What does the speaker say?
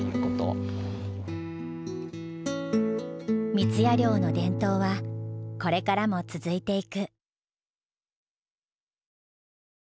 三矢寮の伝統はこれからも続いていく。